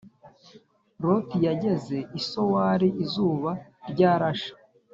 loti yageze i sowari izuba ryarashe